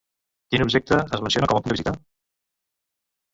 Quin objecte es menciona com a punt de visita?